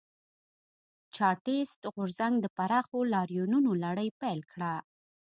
چارټېست غورځنګ د پراخو لاریونونو لړۍ پیل کړه.